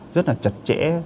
rất là chật chẽ